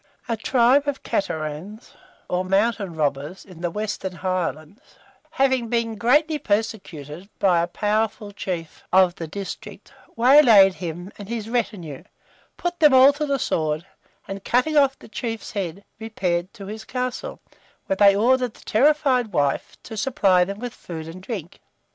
A tribe of caterans, or mountain robbers, in the Western Highlands, having been greatly persecuted by a powerful chief of the district, waylaid him and his retinue, put them all to the sword, and cutting off the chief's head, repaired to his castle, where they ordered the terrified wife to supply them with food and drink.